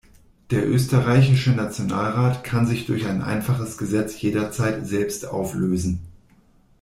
Der österreichische Nationalrat kann sich durch ein einfaches Gesetz jederzeit selbst auflösen.